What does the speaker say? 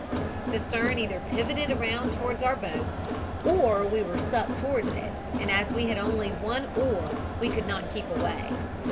The stern either pivoted around towards our boat, or we were sucked towards it, and as we only had one oar we could not keep away.